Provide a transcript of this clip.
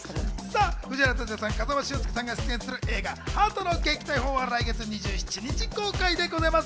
藤原竜也さん、風間俊介さんが出演する映画『鳩の撃退法』は来月２７日公開です。